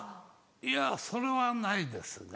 いやそれはないですね。